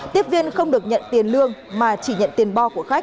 tiếp viên không được nhận tiền lương mà chỉ nhận tiền bo của khách